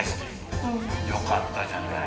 うん。よかったじゃない。